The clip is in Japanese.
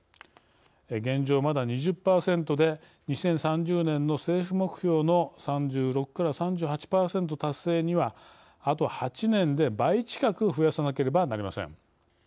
現状まだ２０％で２０３０年の政府目標の３６３８％達成にはあと８年で倍近く増やさなければなりません。